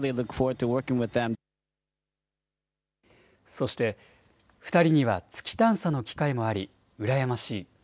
そして２人には月探査の機会もあり羨ましい。